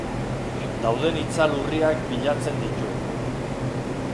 Dauden itzal urriak bilatzen ditu.